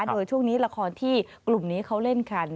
โดยช่วงนี้ละครที่กลุ่มนี้เขาเล่นกัน